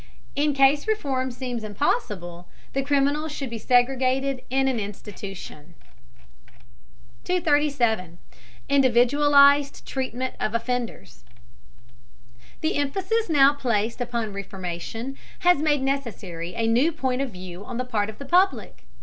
In case reform seems impossible, the criminal should be segregated in an institution. 237. INDIVIDUALIZED TREATMENT OF OFFENDERS. The emphasis now placed upon reformation has made necessary a new point of view on the part of the public.